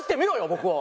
僕を。